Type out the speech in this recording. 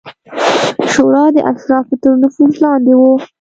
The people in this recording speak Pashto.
شورا د اشرافو تر نفوذ لاندې وه